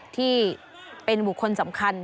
ที่เป็นบุคคลสำคัญ